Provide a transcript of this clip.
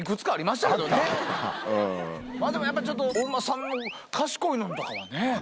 まぁでもやっぱちょっとお馬さんの賢いのんとかはね。